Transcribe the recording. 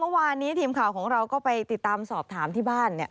เมื่อวานนี้ทีมข่าวของเราก็ไปติดตามสอบถามที่บ้านเนี่ย